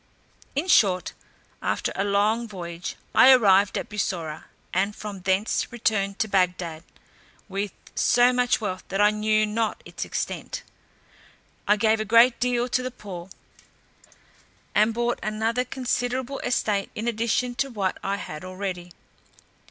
In short, after a long voyage, I arrived at Bussorah, and from thence returned to Bagdad, with so much wealth that I knew not its extent. I gave a great deal to the poor, and bought another considerable estate in addition to what I had already.